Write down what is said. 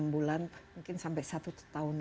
enam bulan mungkin sampai satu tahun